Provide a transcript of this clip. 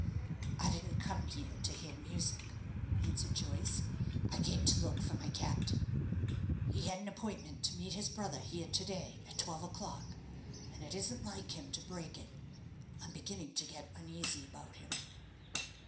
"I didn't come here to hear music," answered Joyce; "I came to look for my captain. He had an appointment to meet his brother here to day at twelve o'clock, and it isn't like him to break it. I'm beginning to get uneasy about him."